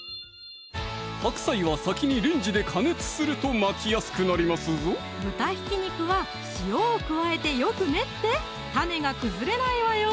白菜は先にレンジで加熱すると巻きやすくなりますぞ豚ひき肉は塩を加えてよく練って種が崩れないわよ